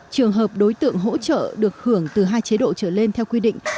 trường hợp đối tượng hỗ trợ được hưởng từ hai chế độ trở lên theo quy định